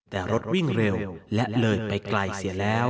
แต่รถวิ่งเร็วและเลยไปไกลเสียแล้ว